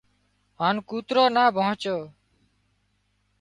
هانَ ڪوترو نا ڀچو